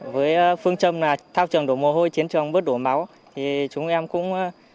với phương châm là thao trường đổ mồ hôi chiến trường bớt đổ máu thì chúng em cũng